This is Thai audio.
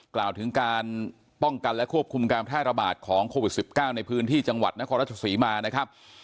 กล่าวถึงการป้องกันและควบคุมการแพร่ระบาดของโควิด๑๙ในพื้นที่จังหวัดนครราชศรีมานะครับ